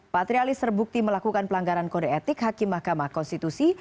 patrialis terbukti melakukan pelanggaran kode etik hakim mahkamah konstitusi